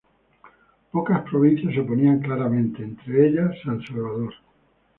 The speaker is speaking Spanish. Pocas provincias se oponían claramente, entre ellas San Salvador.